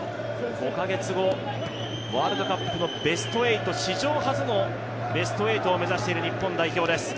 ５カ月後、ワールドカップの史上初のベスト８を目指している日本代表です。